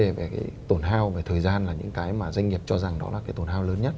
về cái tổn hao về thời gian là những cái mà doanh nghiệp cho rằng đó là cái tổn lớn nhất